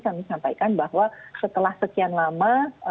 kami sampaikan bahwa setelah sekian lama